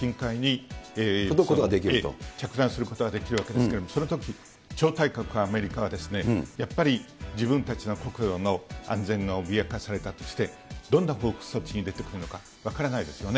着弾するわけですけれども、そのとき、超大国アメリカはやっぱり自分たちの故郷の安全が脅かされたとして、どんな報復措置に出てくるのか分からないですよね。